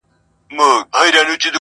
ته پر ګرځه د باران حاجت یې نسته،